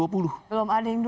belum ada yang dua puluh